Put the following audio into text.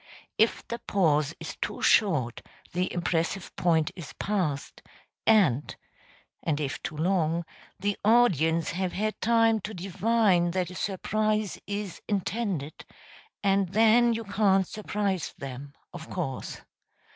If the pause is too short the impressive point is passed, and [and if too long] the audience have had time to divine that a surprise is intended and then you can't surprise them, of course.